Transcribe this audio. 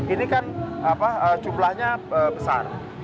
ini kan jumlahnya besar